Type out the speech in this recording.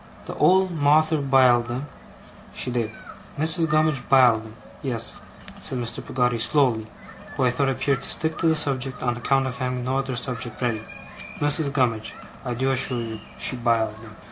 The old Mawther biled 'em, she did. Mrs. Gummidge biled 'em. Yes,' said Mr. Peggotty, slowly, who I thought appeared to stick to the subject on account of having no other subject ready, 'Mrs. Gummidge, I do assure you, she biled 'em.